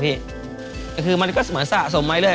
เรื่อยโดนผมก็มายิงได้